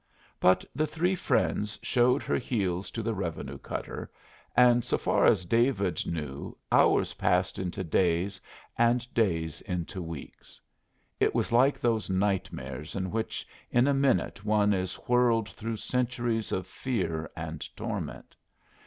But The Three Friends showed her heels to the revenue cutter, and so far as David knew hours passed into days and days into weeks. It was like those nightmares in which in a minute one is whirled through centuries of fear and torment.